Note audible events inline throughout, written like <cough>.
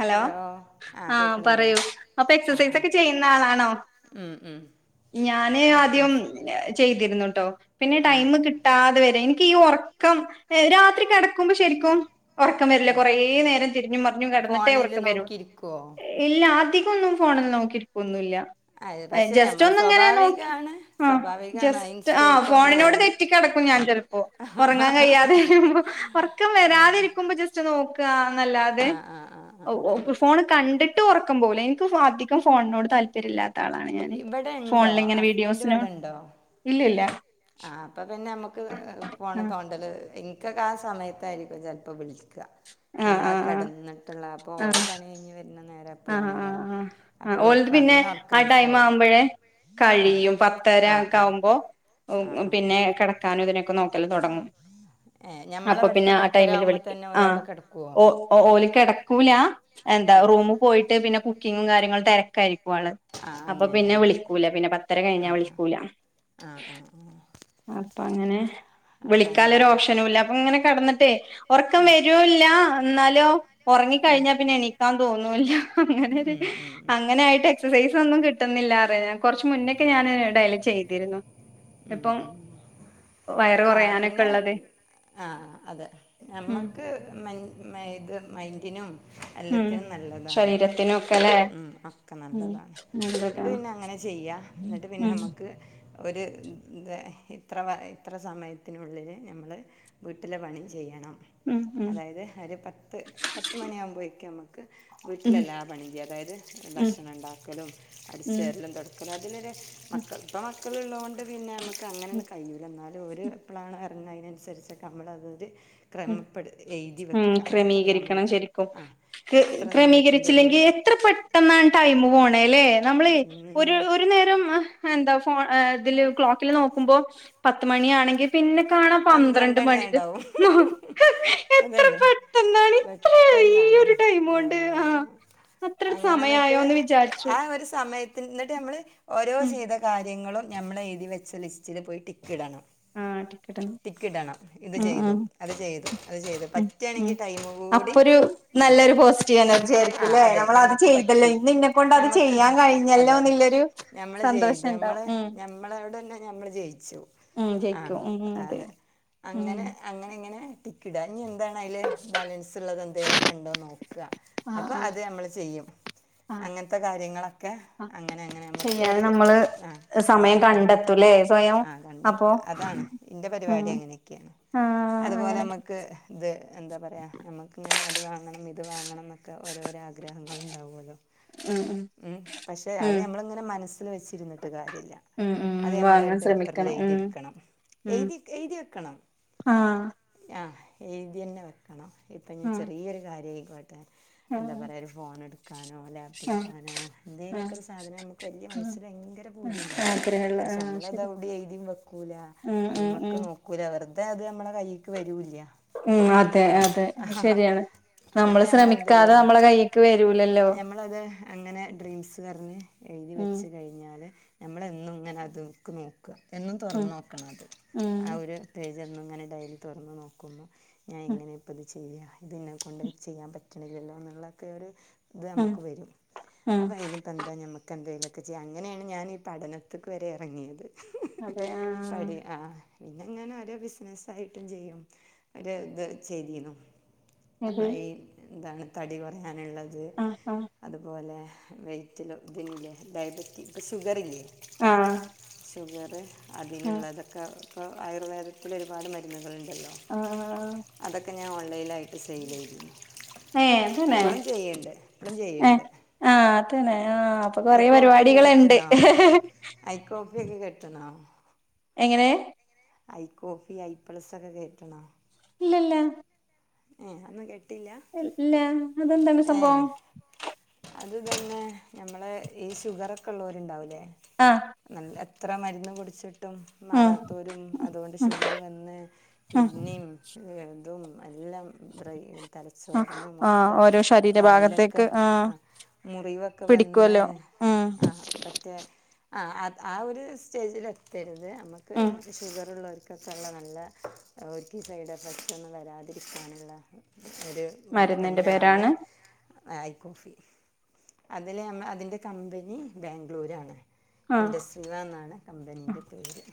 Hello ആ പറയു അപ്പ ആ ആ എക്‌സസൈസൊക്കെ ചെയ്യുന്ന ആളാണോ? ഉം ഉം ഞാന് ആദ്യം അത്യാവശ്യം എ ചെയ്ത് ഇരുന്നു ട്ടൊ പിന്നെ ആ ടൈംമ് കിട്ടാതെ വരേ ക് ഈ ഒറക്കം ഹ് രാത്രി കെടക്കുമ്പം ശരിക്കും ഒർക്കം വരില്ലേ കൊറേ നേരം ചെരിഞ്ഞും മറിഞ്ഞും കെടന്ന് ല് നോക്കിര്കോ യാതികുന്നും ഫോണിൽ നോക്കിര്ക്കൊന്നുല്ല അത് എ പക്ഷെ നമ്മൾ ജസ്റ്റൊന്ന്ങ്ങനെ നോക്കി സ്വാഭാവികമാണ് അ സ്വാഭാവികമാണ് ജസ്റ്റ് ആ ഇൻസ്റ്റയിലേക്കൊന്ന് ഫോണിനോട് പോവും തെറ്റിക്കെടക്കും ഞാൻ ചെൽപ്പോ. ഒർങ്ങാ കയ്യാതെ ഒർക്കം അതെ വരാതെരിക്കുമ്പ ജസ്റ്റൊന്ന് നോക്കാ അങ്ങെല്ലാതെ ആ ആ ആ ആ ഔ ഒ ഫു ഫോണ് കണ്ട് ട്ടും ഒറക്കം പോവുല എൻക് ഫധികം ഫോൺനോട്‌ താല്പര്യലാ തളാണ് ഞാന് ഇവിടെ ഉണ്ടോ ഫോൺല്ങ്ങനെ വീഡിയോസ് ഹസ്ബൻഡ് ങ്ങെ ഇവിടെ ഉണ്ടോ ഇല്ലല്ലാ ആ അപ്പത്തെന്നെ അമ്മക് ഹ് ഹ് ഫോണ് ആഹ് തോണ്ടല് ഇൻക്കൊക്കെ ആ സമയത്തായിരിക്കു ചെൽപം വിളി ക ആഹ് ഞമ്മളാ ആഹ് കടന്നിട്ട് ള്ള ആ ആഹ് ഇപ്പോരെ പണി കഴിഞ് വ ര്ണ നേരം അപ്പളാണയ്ക്കാരം ആ ഓലത് പിന്നെ ആ ടൈം ആവുമ്പയെ കഴിയും പത്തര ആ ഒക്കെ ആ ആവുമ്പോ ആ വും ആ ആ പിന്നെ കെടക്കാനും ഇതിനൊക്കെ ൽ തൊടങ്ങും ഏ അപ്പം പിന്നെ ഞമ്മളവിടുത്തെ ആ പത്തര ടൈമില് ആവുമ്പോ വിളിക്കും തന്നെ ആ ഓരവിടെ കിടക്കുവോ ഓ ഓല് കെടക്കൂല എന്താ ആ റൂമിൽ പോയിട്ട് പിന്നെ കുക്കിങ്ങും കാര്യങ്ങളും തെരക്കായിരിക്കും ആ അപ്പം അങ്ങനെ പിന്നെ അങ്ങനെ വിളിക്കൂല പിന്നെ പത്തര ആ കഴിഞ്ഞാൽ വിളിക്കൂല ആ ആ ആ ആ അപ്പങ്ങനെ അപ്പൊ വിളിക്കാൻള്ളൊരു അങ്ങനെല്ലേ ഓപ്ഷനൂല്ല അപ്പങ്ങനെ കെടന്നിട്ടേ ഒറക്കം വരൂല്ല ന്നാലോ ഒറങ്ങി കഴിഞ്ഞാൽ പിന്നെ എണീക്കാൻ തോന്നൂല്ല അങ്ങനൊരു ഉം ഉം അങ്ങനായിട്ട് എക്സസൈസ് ഒന്നും കിട്ടുന്നില്ലാ പറയ ഞാൻ കുറച്ച് മുന്നേക്കെ ഞൻ ഡയൽ ചെയ്തിരുന്നു ഉം ഇപ്പം ഉം വയറ് ആ കൊറയാനൊക്കെ പിന്നെ ഇള്ളത് ആ അതെ ഉം നമ്മക്ക് മെൻ മൈൻഡ് ഇതിനും ഉം എല്ലത്തിനും നല്ലതാണ് ശരീരത്തിനൊക്കെല്ലേ ഉം ഒക്കെ ഉം നല്ലതാണ് എന്നിട്ട് നല്ലതാണ് പിന്നെ അങ്ങനെ ചെയ്യാ എന്നിട്ട് പിന്നെ ഉം നമ്മക്ക് ഒരു ഉം തെ ഇത്ര വ ഇത്ര സമയത്തിനുള്ളില് നമ്മള് വീട്ടിലെ പണീം ചെയ്യണം. ഉം ഉം അതായത് ഒരു പത്ത് പത്ത് മണിയാകുമ്പോക്ക് നമ്മ ക്ക് ഉം വീട്ടിലെല്ലാ പണീം ചെയ്യ അതായത് ഉം ഭക്ഷണം ഇണ്ടാക്കലും, ഉം അടിച്ചുവാരലും, തൊടക്കലും അതിലൊരു ഉം മക്കൾ ഇപ്പ മക്ക ക്കളുള്ളൊണ്ട് ണ്ട് പിന്നെ നമ്മക്ക് ക്കങ്ങനണ് കഴിയൂല ന്നാലും ഓര് എപ്പളാണ് എറങ്ങ അയ്നനുസരിച്ചൊക്കെ നമ്മളതൊരു ഉം ക്രമപ്പെടു എഴുതി ഉം വെക്കുക ഇത്ര ക്രമീകരിക്കണം സമയത്ത് ശരിക്കും ആ ഇത്ര സമയത്തിൻ്റെ ഉള്ളിൽ ക്രമീകരിച്ചില്ലെങ്കിൽ എത്ര പെട്ടെന്നാണ് ടൈമ് പോണ അല്ലേ നമ്മള് ഒരു ഒരു നേരം എന്താ ഇതില് ക്ലോക്കിൽ നോക്കുമ്പോ പത്ത് മണിയാണെങ്കിൽ പിന്നെ കാണാം പന്ത്രണ്ട് മണി ഇത് പന്ത്രണ്ടണിയായിണ്ടാവും എത്ര അതന്നെ പെട്ടെന്നാണ് ഇത്ര ഈ പെട്ടെന്നാണ് ഒരു ടൈം ആ കൊണ്ട് അത്ര അങ്ങനെ എന്നിട്ട് സമയായോന്ന് വിചാരിച്ചു ആ ഒരു സമയത്ത് എന്നിട്ട് നമ്മള് ഓരോ ഉം ചെയ്ത കാര്യങ്ങളും നമ്മെളെഴുതി വെച്ച ലിസ്റ്റില് പോയി ടിക്കിടണം. ആ ടി ടിക്ക് ഇടണം ഇത് ചെയ്തു അത് ചെയ്തു അത് ചെയ്തു ഉം ഉം പറ്റണെങ്കി ടൈമ കൂടി അപ്പൊരു നല്ലൊരു പോസിറ്റീവ് എനർജി ആ ആയിരിക്കുംല്ലേ അതെ നമ്മളത് ഞമ്മക്ക് ചെയ്തല്ലോ പറ്റി ഇന്ന് ഇന്നെ കൊണ്ട് അത് ഞമ്മക്കത് ചെയ്യാൻ കഴിഞ്ഞല്ലോ അതെ എന്നുള്ളൊരു ഞമ്മൾ സന്തോഷം ഉണ്ടാവും ചെയ്തുമ്മള് ഉം ഞമ്മളവിടെ തന്നെ ഞമ്മൾ ജയിച്ചു ഉം ജയ്ക്കും ഉം ആ അതെ ഉം അങ്ങനെ അങ്ങനെ ഇങ്ങനെ ക്കടാ ഞ ന്താണ് അയില് ബാലൻസ് ഉള്ളത് ന്തേലൊക്കെണ്ടോ നോക്കും ക ആഹ് അപ്പ ആഹ് അത് നമ്മ ള് ചെയ്യും ആഹ് അങ്ങനത്തെ കാര്യങ്ങളൊക്കെ ആഹ് അങ്ങനെ അങ്ങനെ ശരിയാണ് നമുക്കൊരു നമ്മള് ആ സമയം ക്രമപ്പെടുത്തി കണ്ടെത്തൂലേ സ്വയം ആ അപ്പൊ കണ്ടെത്ത അതാണ് എന്റെ ഉം പരിപാടി അങ്ങനെയൊക്കെയാണ് ആഹ് അതുപോലെ അങ്ങനെയൊക്കെ മുക്ക് ഇത് എന്താ പറയാ നമുക്ക് ഇങ്ങനെ അത് വാങ്ങണം ഇത് വാങ്ങണം ഓരോരോ ആഗ്രഹങ്ങള് ഉണ്ടാവുമല്ലോ ഉം ഉം വ പക്ഷെ അത് ഉം ഞമ്മളിങ്ങനെ മനസ്സിൽ വെച്ചിരുന്നിട്ട് കാര്യല്ല ഉം ഉം അത് നമ്മളൊരു വാങ്ങാൻ പേപ്പറില് ശ്രമിക്കണം ഉം എഴുതിട്ക്കണം ഉം എഴുതി എഴുതി വെക്കണം ആഹ് ആ എഴുതി തന്നെ വെക്കണം ഇപ്പൊ ഇനി ഉം ചെറിയൊരു കാര്യയി വാട്ടെ ഉം എന്താ ഉം പറയാ ഒരു ഫോണെടുക്കാനോ ഉം ലാപെടുക്കാനോ ഉം എന്തെലുക്കെരു സാധനം നമുക്ക് വല്ല്യ ഉം മനസ്സിൽ ഭയങ്കര പൂതിണ്ടാവും ആഗ്രഹള്ള പക്ഷെ ആഹ് നമ്മള ശരി തെവിടിം എഴുതിം വെക്കൂല ഉം ഉം അയ്മക്ക് ഉം നോക്കൂല അവർ അതെ അത് നമ്മളെ കൈക്ക് വരൂല്ല്യാ ഉം അതെ ആ അതെ ആഹ് ഹാ ശരിയാണ് അപ്പൊ നമ്മള് ശ്രമിക്കാതെ ഞമ്മളെന്തെയ്യാ നമ്മളെ കൈയ്യിക്ക് വരൂലല്ലോ ഞമ്മളത് അങ്ങനെ ഡ്രീംസ് പറഞ്ഞ് എഴുതി ഉം വെച്ചു കഴിഞ്ഞാല് ഞമ്മളെന്നും ഇങ്ങനെ അത്ക്ക് നോ ക്കുവ എന്നും ഉം തുറന്ന് നോക്കണം അത് ആ ഉം ഒരു ത് തെന്നും ങ്ങനെ ഡയലി തൊറന്നു നോക്കുമ്പോ ഉം ഞായെങ്ങനെ ഇപ്പയിത് ചെയ് ചെയ്യ ഇതിന്നെ കൊണ്ട് ചെയ്യാൻ പറ്റണില്ലല്ലോ എന്നുള്ളതൊക്കെ ഒരു ഇത് ഉം നമുക്ക് വരും ഉം അപ്പ അയിനിപ്പ എന്താ ഞമക്ക് എന്തെലുക്കെ ഒക്കെ ചെയ്യ അങ്ങനെയാണ് ഞാൻ ഈ പഠനത്തേക്ക് വരെ അതെ ആഹ് പടി ആ പിന്നെ ഇങ്ങനെ ഓരോ ബിസിനസായിട്ടും ചെയ്യും ഒരു ഇത് ചെയ്തിനു നമ്മളെ ഇത് ഈ എന്താണ് തടി കുറയാൻ ങ്ങനള്ളത് ആഹ് ആഹ് അതുപോലെ വെയ്റ്റിലോ ഇതല്ലേ ഡയബറ്റി ഇപ്പൊ ഷുഗറില്ലേ ആഹ് ഷുഗറ് ആഹ് അതിനുള്ളതക്ക ഇപ്പോ ആയുർവേദത്തില് ഒരുപാട് മരുന്നുകള് ല്ലല്ലോ ആഹ് അതൊ ഒക്കെ ഞാൻ ഓൺലൈലായിട്ട് സെയിലെയ്തിരുന്നു ഏ തന്നെ ഇപ്പോഴും ഏ ചെയ്യുന്നുണ്ട് ആഹ് തന്നെ ആഹ അപ്പൊ ഐ കൊറെ കോഫിയൊക്കെ പരിപാടികള്ണ്ട് ഇഹ്ഹ്ഹ് <unintelligible> കൊക്കെ കോട്ട്ണൊ എങ്ങനെ ഐ കോഫി ഐ പ്ലസ് ഒക്കെ കേട്ട്ണോ ഇല്ലല്ല ഏ അന്ന കേട്ട ഇല്ല അതെന്താണ് സംഭവം ഏ അത് തന്നെ നമ്മൾ ഈ ഷുഗറൊക്കെ ഉള്ളോല്ണ്ടാവുല്ലേ ആഹ് ന്നല്ലത് ത്ര മര്ന്നും കുട്ച്ചിട് ഒട്ടും ഉം മാറാത്തോരും അതോണ്ട് ഉം ഷുഗർ വന്ന് ഉം കിഡ്നിം <unintelligible> വെൽതും എല്ലം ബ്രെയ് ആഹ് തലച്ചോറിനും ആഹ് മൊക്കെ ഓരോ കാൽനൊക്കെ ശരീരഭാഗത്തേക്ക് ആഹ് അഹ്മുറിവൊക്കെ വന്ന് പിടിക്കുവല്ലോ ഉം ആ പറ്റേ അ അത് ആ ഒര് സ്റ്റേജില് എത്തരുത് മ്മക്ക് ഉം ഷുഗറ് ള്ളോര്കും ക്ക സള്ള ന്നല്ലെ ഓൽക്കീ സൈഡ് എഫക്ട് ഒന്നും വരാത് <unintelligible> ഇത്കാണില്ല ഒര് മരുന്നിന്റെ ഉൽപ്പന്നാണ് പേരാണ് ഐ കോഫി അതിലെ <unintelligible> അതിന്റെ കമ്പനി ബ്ലാഗ്ലൂരാണ് ആഹ് ഇൻ്റസ് വ ന്നാണ് കമ്പനിൻ്റെ പേര്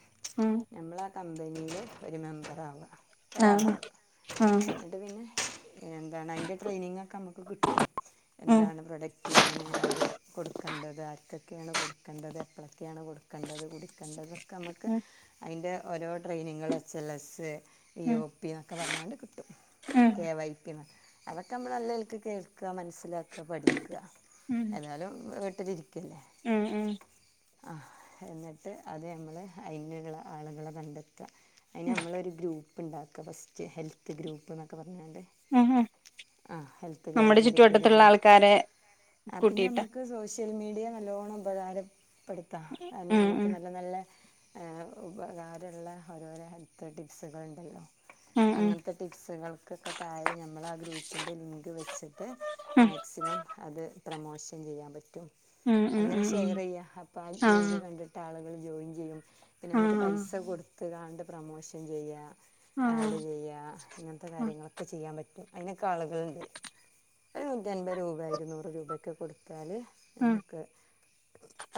ഉം ന്നമ്മളാ ക് കമ്പനീലെ ഒര് മെമ്പറാവ ആഹ് ഒരാളാവ ആഹ് എന്താണ് അയ്ന്റെ ട്രെയിനിങ് ഒക്കെ അമുക്ക് കിട്ടും ഉം ഉം എന്താണ് പ്രൊഡക്റ്റ് എങ്ങനെണ് അത് കൊട് ക്കണ്ടത് ആർക്കെക്കേണ് കൊട്ക്കണ്ടത് എപ്ലക്കേണ് കൊട്ക്കേണ്ടത് കുടിക്കണ്ടത് ക്ക മക്ക് ഉം അയ്ൻൻ്റെ ഓരോ ട്രെയിനിങ്ങള് എച്ച ൽ എസ്സെ ഉം ഇയോപ്യ ഒക്ക പർഞ്ഞാണ്ട് കിട്ടും ഉം കെ വൈ അതൊക്കെ ന്നമ്മൾ ന്നല്ലൽക്ക് കേൾക്ക മനസ്സിലാക്ക പഠിക്ക എതാലും വീട്ടിലിരിക്കേല്ല ഉം ഉം ആ എന്നിട്ട് അത് ഞമ്മള് അയ്ന്ള്ള ആള്കളെ കണ്ടത് ത്അ അയ്ന് അമ്മളൊരു ഗ്രൂ പ്പ് ണ്ടാക്ക്അ ഫസ്റ്റ് ഹെൽത്ത് ഗ്രൂപ്പ് ന്നൊക്കെ പർഞ്ഞ് പർഞ്ഞാണ്ട് ഉം ഉം ആ നമ്മുടെ ഹെൽത്ത്കെയറിൻ്ററകൊരു ചുറ്റുവട്ടത്തുള്ള ഗ്രൂ ആൾക്കാരെ ആ പിന്ന കൂട്ടിയിട്ടാ അമ്മക്ക് സോഷ് ഷ്യൽ മീഡിയ ന്നല്ലോണം ഉപകാരം പ്പെട്ത്താം അയന് ഉം അമക്ക് ന്നല്ല ന്നല്ലെ ഉപകാരള്ള ഓരോരോ ഹെൽത്ത് ടിപ്സുകളുണ്ടല്ലോ ഉം ഉം ഉം അങ്ങൻത്തെ ടിപ്സുകൾക്ക് ക്കെ താഴെ ഞമ്മളാ ഗ്രൂപ്പിൻ്റെ ലിങ്ക് വെച്ചിട്ട് ഉം മാക്സിമം അത് പ്രമോഷൻ ചെയ്യാം പറ്റും ഉം അങ്ങനെ ഉം ഉം ഉം ഷെയർ എയ്യ അപ്പ ആ ലിങ്ക് ആഹ് കണ്ടിട്ട് ആള് ജോയിൻ ചെയ്യും പിന്നെ നമുക്ക് ആഹ് പൈസ കൊടുത്ത് കാണ്ട് പ്രമോഷൻ ചെയ്യുക ആഹ എന്ത് ചെയ്യുക ഇങ്ങനത്തെ കാര്യങ്ങളൊക്കെ ചെയ്യാൻ പറ്റും അതിനൊക്കെ ആളുകളുണ്ട് ഒരു നൂറ്റിൻപത് രൂപ ഇരുന്നൂറ് രൂപൊക്കെ കൊടുത്ത് വച്ചാൽ ഉം നമുക്ക്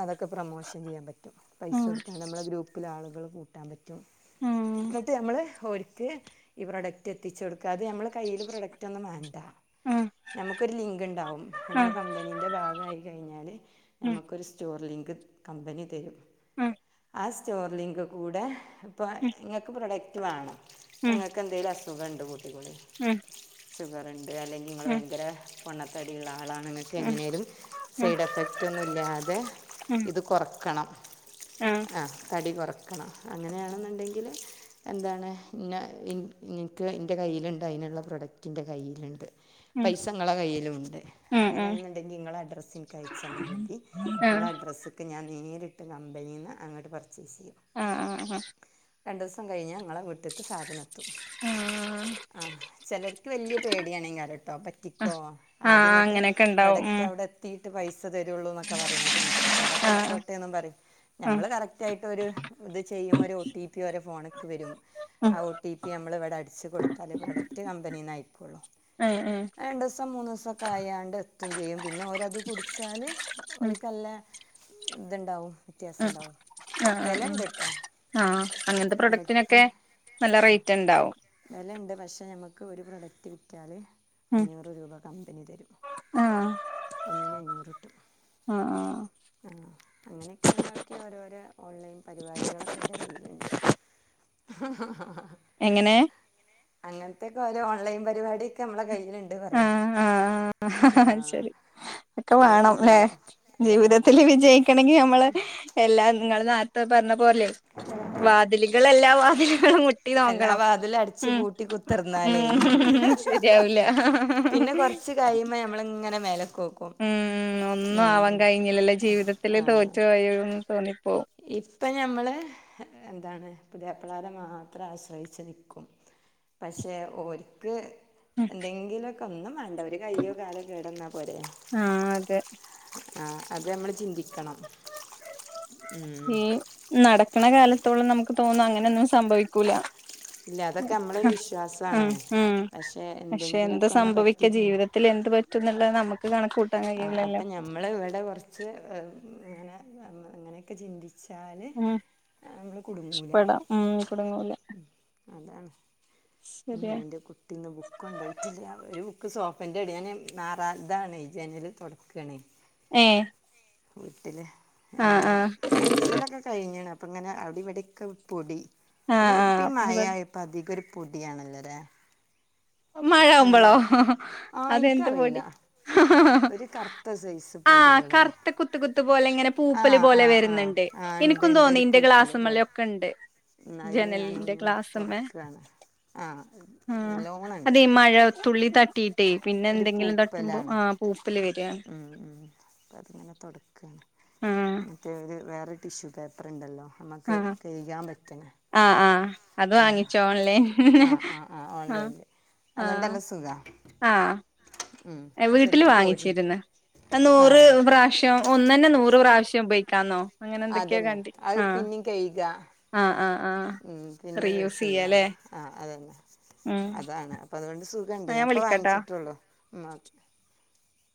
അതൊക്കെ പ്രമോഷൻ ചെയ്യാൻ പറ്റും പൈസ ഉം എടുത്താ നമ്മള ഗ്രൂപ്പില ആളുകളും കൂട്ടാൻ പറ്റി ഉം എന്നിട്ട് നമ്മള് ക്ക് ഈ പ്രൊഡക്റ്റ് എത്തിച്ച് കൊടുക്കാം അത് നമ്മൾ കയ്യിൽ പ്രൊഡക്റ്റ് ഒന്നും വേണ്ട ഉം നമുക്കൊരു ലിങ്ക് ഉണ്ടാവും നമ്മുടെ ആഹ് കമ്പനീന്റെ ഭാഗമായി കഴിഞ്ഞാല് ഉം നമുക്കൊരു സ്റ്റോർ ലിങ്ക് കമ്പനി തരും ഉം ആ സ്റ്റോർ ലിങ്ക് കൂടെ ഇപ്പോൾ ഉം നിങ്ങൾക്ക് പ്രൊഡക്റ്റ് വേണം ഉം നിങ്ങൾക്ന്തേലും - കണ്ട് പോയി പൊളി ഉം ഷുഗർ ഉണ്ട് അല്ലെങ്കിൽ നിങ്ങൾ ഉം ഉം ഭയങ്കര പൊണ്ണത്തടിയുള്ള ആളാണ് നിങ്ങൾക്ക് ഉം ഉം എങ്ങനെയെലും സൈഡ് എഫക്റ്റ് ഒന്നും ഇല്ലാതെ ഇത് കുറക്കണം ആഹ് ആ തടി കുറക്ക വയ്ക്കണം അങ്ങനെയാണെന്നുണ്ടെങ്കിൽ എന്താണ് പിന്നെ എനിക്ക് എൻ്റെ കയ്യിലുണ്ട് അതിനുള്ള പ്രൊഡക്റ്റിൻ്റെ കയ്യിലുണ്ട് ഉം പൈസ നിങ്ങളെ കൈലുണ്ട് ഉം ഉം അങ്ങനെയാന്നുണ്ടാക്കിലെ നിങ്ങളാ അഡ്ഡ്രസ് എനിക്ക് അയച്ച് തന്നാൽ മതി നിങ്ങളാ ആഹ് അഡ്രസ്സിക്ക് ഞാൻ നേരിട്ട് കമ്പനിന്ന് അങ്ങട്ട് ഫാസ്റ്റ് ഈസി ആഹ് ആഹ് രണ്ട് ദിവസം കഴഞ്ഞാൽഞങ്ങളെ വിട്ട സാധനെത്തും ആഹ് അഹ് ചിലർക്ക് വല്ല്യ പേടിയാണ് ഇങ്ങടിട്ടോ പറ്റിക്കോ ആഹ് ആഹ് അതെന്നിട്ട് അങ്ങനെയൊക്കെ ഉണ്ടാവും പ്രോഡക്റ്റ് ഉം അവിടെത്തി പൈസ് പൈസതരുള്ളൂന്ന് എന്നൊക്കെ പറയണേട്ട് ഇൻസക്ക ആഹ് ആഹ് ആയിക്കോട്ടെന്നും പറയും ഞമ്മൾ ഉം കറക്റ്റ് ആയിട്ട് ഒരു ഇത് ചെയ്യുമ്പ ഒരു ഓ ടി പി ഫോൺ ക്ക് വരും ഉം ആ ഒ ടി പി നമ്മൾവിടെ അടിച്ച് കൊടുത്താൽ പ്രൊഡക്റ്റ് കമ്പനി നിന്ന് ആയക്കോളൂ ഉം ഉം രണ്ട് ദിവസം മൂന്ന് ദിവസക്കെ ആയാണ്ട് എത്തും ചെയ്യും പിന്നെ ഓരത് കുടി ചാല് ഒരു കല്ല് ഇതണ്ടാവും അ ആ ആ ആഹ് അങ്ങനത്തെ പ്രൊഡക്റ്റിനൊക്കെ പ്രൊഡക്റ്റിന് നല്ല റേറ്റ് ഇണ്ടാവും നമക്ക് ഒരു പ്രൊഡക്റ്റ് വിറ്റാൽ അഞ്ഞൂറ് രൂപ കമ്പനി തരും ആഹ് ഒന്നിന് അഞ്ഞൂറ് ട്ടും. ആഹ് ആഹ് ആ അങ്ങനൊക്കെയ ഉള്ളക്കെ ഓരോരോ ഓൺലൈൻ പരിപാടികളൊക്കെ എന്റെ കയ്യില്ണ്ട്. എങ്ങനെ അങ്ങനത്തോക്കെ ഒരോ ഓൺലൈൻ പരിപാടിയൊക്കെ നമ്മളെ കയ്യി ആ ആ ആ അഹ് ശരി ഒക്കെ അതൊക്കെ വേണം ല്ലെ ചെയ്യും എല്ലാം ജീവിതത്തി വേണം ല് വിജയിക്കണങ്കിൽ നമ്മള് എല്ലാം നിങ്ങള നാ ത്ത പറഞ്ഞ പോലെ വാതിലുകളെല്ലാ വാ <unintelligible> ട്ടി എല്ലാ ന്നോങ്കണം വാതിലും അടിച്ച് ഉം പൂട്ടി കുത്തിർന്നാലേ മ് ശരിയാവില്ല പിന്നെ കൊറച്ച് കഴിയുമ്പ നമ്മൾ ഇങ്ങനെ മേല ഉം ഒന്നും ആവാൻ കഴിഞ്ഞില്ലല്ലേ ജീവിതത്തിൽ തോറ്റു പോയന്ന് തോന്നി <inaudible> അതാണ് പുതിയാപ്ലമാരെ മാത്രം ആശ്രയിച്ചു നിൽക്കും പക്ഷേ ഒലക്കേ എന്തെങ്കിലും ഇപ്പൊ ഒന്നും വേണ്ട കണ്ടവര് കയ്യോ കാലോ കേടുന്ന പോരെ ആഹ് അതെ ആ അത് നമ്മള് ചിന്തിക്കണം ഉം ഈ നടക്ക്ണ കാല അത്രത്തോളം നമുക്ക് തോന്നും അങ്ങനൊന്നും സംവിക്കൂല്ല ഇല്ല അതൊക്കെ നമ്മളൊരു വിശ്വാസാണ് ഉം പക്ഷെ പക്ഷെ എന്തെങ്കിലുംക്കെ ഒന്ന് പറ്റി കഴി റ്റും ന്നള്ള് നമ്മക്ക് കണ ആ അപ്പൊ ഞമ്മള് ഇവിടെ കൊറച്ച് അങ്ങനെ അങ്ങനെയൊക്കെ ചിന്തി ച്ചാല് ഉം നമ്മൾ കുടുങ്ങൂലെ പെടാം ഉം കുടുങ്ങൂല അതാണ് ഇമ്മേ ശരിയാ ഇന്റെ കുട്ടീന്ന് ബുക്ക് കൊണ്ടോയിട്ടില്ല ഒരു ബുക്ക് സോ ഫന്റെ എടേ ഞാന് മാറാ ഇതാണ് ജനൽ തൊടക്കാണേ ഏ വീട്ടില് ആഹ് എങ്ങനെ ആഹ് അടിച്ചലൊക്കെ കഴിഞ്ഞ്ണ് അപ്പം അങ്ങനെ അവിടിം ഇവിടെക്കെ പൊടി ആഹ് ആഹ് ഇപ്പ അപ്പൊ മഴായപ്പോ അധിക ഒരു പൊടിയാണലല്ലോലേ മഴയാവുമ്പളോ ആ അതെന്ത് പൊടി എനിക്കറിയില്ല ഒരു കറുത്ത സൈസ് ആ പൊടികൾ കറുത്ത കുത്ത് കുത്ത് പോലെ ഇങ്ങനെ ആ പൂപ്പല്‌ ആ പോലെ ആ വരുന്ന്ണ്ട് ആ എൻക്കും തോന്നി ഇന്റെ ഗ്ലാസ്മലൊക്കെ ഇണ്ട് എന്ന അയിന് ഞാൻ ഇങ്ങനെ തൊടക്കാണ് ആഹ് നല്ലോണം ഇണ്ട് അതെ മഴ തുള്ളി തട്ടി ഒരു പൂപ്പലാണ് പൂപ്പല് വരാണ് ഉം ഉം അപ്പൊ അതിങ്ങനെ തൊടക്കാണ് ആഹ് മറ്റേ ഒരു വേറെ ടിഷ്യൂ പേപ്പർ ഇണ്ടല്ലോ നമുക്ക് കെയ്കാൻ പറ്റ്ണെ ആ അത് വാങ്ങിച്ചോ ഓൺലൈന്ന് ആ ആ ആ ഓൺലൈനിൽ ആ അതുകൊണ്ട് ആഹ് നല്ല സുഖമാണ് ഉം ആഹ് വീട്ടിൽ ശരിക്കും പോരുന്നു വാങ്ങിച്ചിരുന്നു ആ നൂറ് പ്രാവശ്യം ഒന്നന്നെ നൂറ് പ്രാവശ്യം ഉപോഗിക്കാന്നോ അതന്നെ അത് പിന്നെയും കഴുക ആഹ് ആഹ് ആഹ് ഉം പിന്നെ റീയൂസ് യൂസ് ചെയ്യാ ചെയ്യാല്ലേ ആ അതെന്നെ ഉം അതാണ് അപ്പൊ അതുകൊണ്ട് സുഖണ്ട് ന്നാ ഞാൻ ഞാൻപ്പോ വിളിക്കാട്ടോ വാങ്ങിച്ചിട്ടുള്ളൂ ഉ